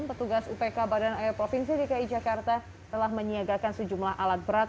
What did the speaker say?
petugas upk badan air provinsi dki jakarta telah menyiagakan sejumlah alat berat